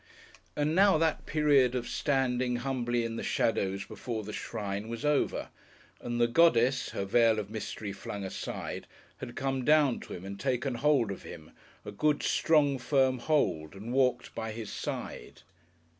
And now that period of standing humbly in the shadows before the shrine was over, and the Goddess, her veil of mystery flung aside, had come down to him and taken hold of him, a good, strong, firm hold, and walked by his side....